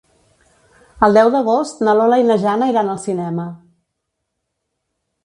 El deu d'agost na Lola i na Jana iran al cinema.